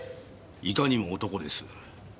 いかにも男です。